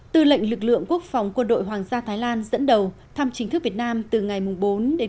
tư lệnh lực lượng quốc phòng quân đội hoàng gia thái lan dẫn đầu thăm chính thức việt nam từ ngày bốn đến ngày năm tháng bốn năm hai nghìn một mươi bảy